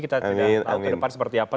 kita tidak tahu ke depan seperti apa